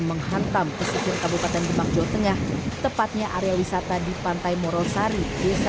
menghantam pesisir kabupaten demak jawa tengah tepatnya area wisata di pantai morosari desa